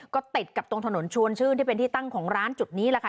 ก็ติดกับตรงถนนชวนชื่นที่เป็นที่ตั้งของร้านจุดนี้แหละค่ะ